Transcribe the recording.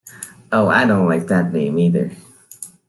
Oh, I don’t like that name, either.